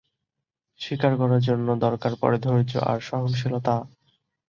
শিকার করার জন্য দরকার পড়ে ধৈর্য আর সহনশীলতা।